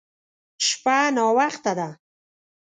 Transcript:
شپه ناوخته ده.